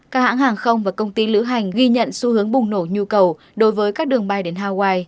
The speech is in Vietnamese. các hãng hàng không và công ty lữ hành ghi nhận xu hướng bùng nổ nhu cầu đối với các đường bay đến hawaii